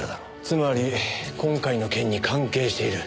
つまり今回の件に関係している。